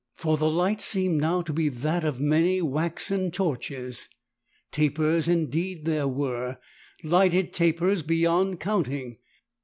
For the light seemed now to be that of many waxen torches. Tapers indeed there were, lighted tapers beyond counting.